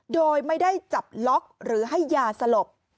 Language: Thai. โดยไม่ได้จับล็อกหรือให้ยาสลบ